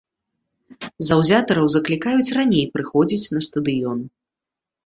Заўзятараў заклікаюць раней прыходзіць на стадыён.